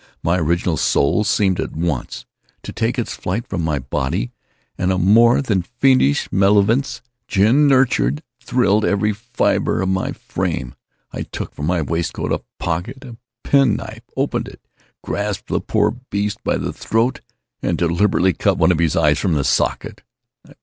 My original soul seemed, at once, to take its flight from my body and a more than fiendish malevolence, gin nurtured, thrilled every fibre of my frame. I took from my waistcoat pocket a pen knife, opened it, grasped the poor beast by the throat, and deliberately cut one of its eyes from the socket!